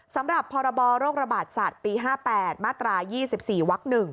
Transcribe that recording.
สำหรับพรบโรคระบาดสัตว์ปี๕๘มาตรา๒๔วัก๑